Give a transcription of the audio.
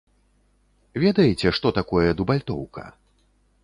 Ведаеце, што такое дубальтоўка?